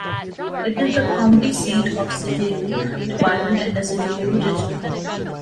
It is the county seat of Sedhiou department and the Sedhiou region.